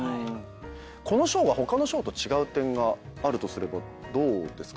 この賞が他の賞と違う点があるとすればどうですか？